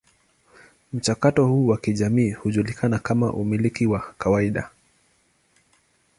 Mchakato huu wa kijamii hujulikana kama umiliki wa kawaida.